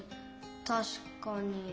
たしかに。